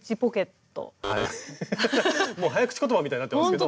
もう早口言葉みたいになってますけど。